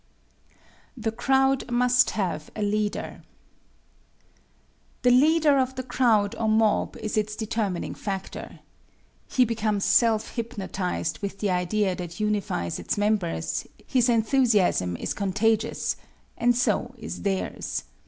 The Crowd Must Have a Leader The leader of the crowd or mob is its determining factor. He becomes self hynoptized with the idea that unifies its members, his enthusiasm is contagious and so is theirs.